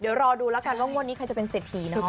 เดี๋ยวรอดูแล้วกันว่างวดนี้ใครจะเป็นเศรษฐีเนาะ